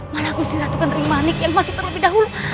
malah gusti ratus kentering manik yang masuk terlebih dahulu